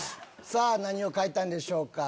何を書いたんでしょうか？